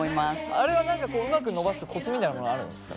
あれはうまく伸ばすコツみたいなものはあるんですか？